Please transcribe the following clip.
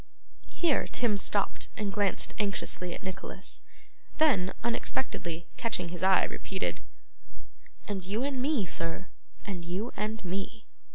Here, Tim stopped and glanced anxiously at Nicholas; then unexpectedly catching his eye repeated, 'And you and me, sir, and you and me.